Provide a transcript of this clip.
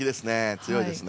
強いですね。